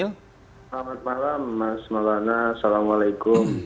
selamat malam mas maulana assalamualaikum